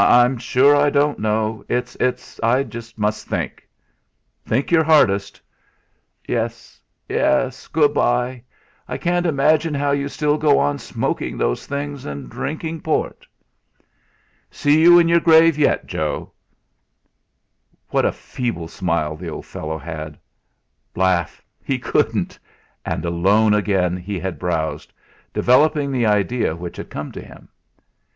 I'm sure I don't know. It's it's I must think." "Think your hardest." "Yes, yes. Good bye. I can't imagine how you still go on smoking those things and drinking port. "See you in your grave yet, Joe." What a feeble smile the poor fellow had! Laugh he couldn't! And, alone again, he had browsed, developing the idea which had come to him.